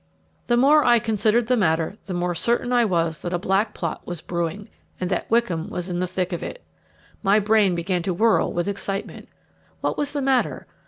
The more I considered the matter the more certain I was that a black plot was brewing, and that Wickham was in the thick of it. My brain began to whirl with excitement. What was the matter?